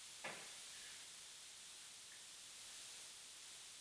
Buduje si mělká hnízda v zemi.